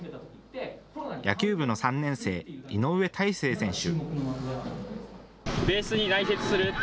野球部の３年生、井上大誠選手。